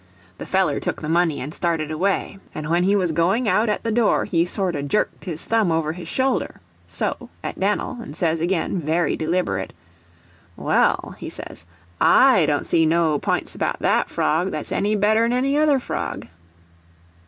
The feller took the money and started away; and when he was going out at the door, he sorter jerked his thumb over his shoulder—so—at Dan'l, and says again, very deliberate, "Well," he says, "I don't see no p'ints about that frog that's any better'n any other frog."